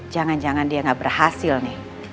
jangan jangan dia nggak berhasil nih